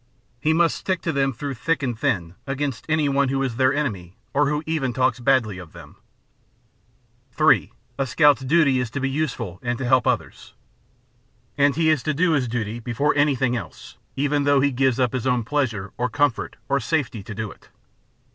He must stick to them through thick and thin against any one who is their enemy or who even talks badly of them. 3. A Scout's Duty is to be Useful and to Help Others. And he is to do his duty before anything else, even though he gives up his own pleasure, or comfort, or safety to do it.